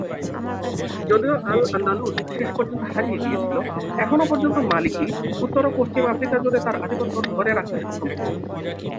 যদিও আল-আন্দালুস শেষ পর্যন্ত হারিয়ে গিয়েছিল, এখনও পর্যন্ত মালিকি উত্তর ও পশ্চিম আফ্রিকা জুড়ে তার আধিপত্য ধরে রাখতে সক্ষম হয়েছে।